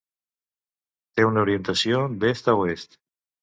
Té una orientació d'est a oest.